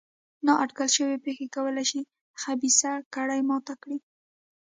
نا اټکل شوې پېښې کولای شي خبیثه کړۍ ماته کړي.